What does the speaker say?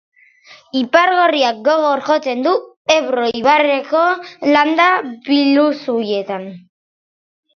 Ipar gorriak gogor jotzen du Ebro ibarreko landa biluzietan